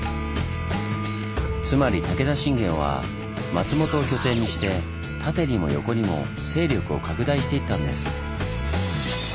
つまり武田信玄は松本を拠点にして縦にも横にも勢力を拡大していったんです。